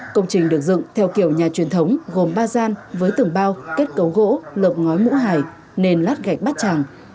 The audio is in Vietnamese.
công trình được dựng theo kiểu nhà truyền thống gồm ba gian với tường bao kết cấu gỗ lộp ngói mũ hải nền lát gạch bát tràng